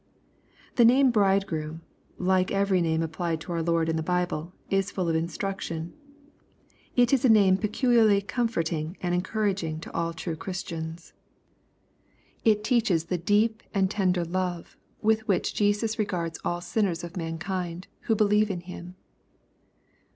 The name " bridegroom," like every name applied to our Lord in the Bible, is full of instruction. It is a name peculiarly comforting and encouraging to all true LUKE^ CHAP. y. 15& Christians. It teaches the deep and tender love with which Jesus regards all sinners of mankind, who believe in Him.